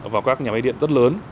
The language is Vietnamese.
vào các nhà máy điện rất lớn